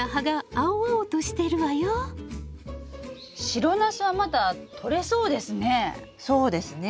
白ナスはまだとれそうですね。